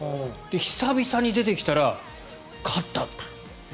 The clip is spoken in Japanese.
久々に出てきたら勝った。